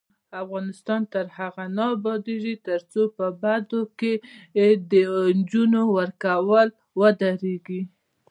افغانستان تر هغو نه ابادیږي، ترڅو په بدو کې د نجونو ورکول ودریږي.